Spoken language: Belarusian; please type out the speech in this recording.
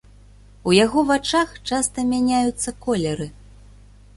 У яго вачах часта мяняюцца колеры.